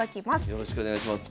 よろしくお願いします。